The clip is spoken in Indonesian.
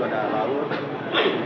masih ada beau